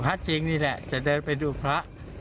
จริงนี่แหละจะเดินไปดูพระ